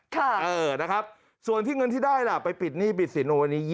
ค่ะเออนะครับส่วนที่เงินที่ได้ล่ะไปปิดหนี้ปิดศิลป์